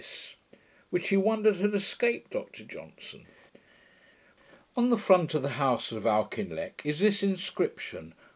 Germ. Section 5) which he wondered had escaped Dr Johnson. On the front of the house of Auchinleck is this inscription